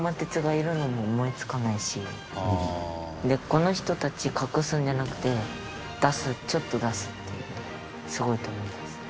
この人たち隠すんじゃなくて出すちょっと出すっていうのがすごいと思います。